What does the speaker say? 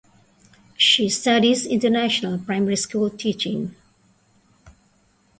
She studies international primary school teaching.